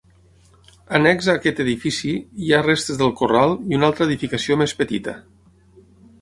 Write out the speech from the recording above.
Annex a aquest edifici hi ha restes del corral i una altra edificació més petita.